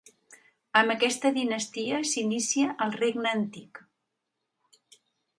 Amb aquesta dinastia s'inicia el Regne antic.